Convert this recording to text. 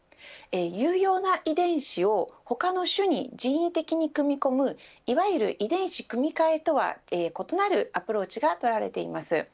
有用な遺伝子を他の種に人為的に組み込むいわゆる遺伝子組み換えとは違うアプローチが取られています。